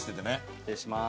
失礼します。